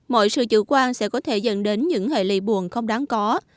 mọi sự chủ quan sẽ có thể dẫn đến những hệ lụy buồn không đáng có